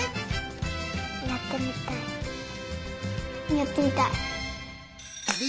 やってみたい。